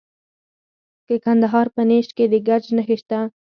د کندهار په نیش کې د ګچ نښې شته.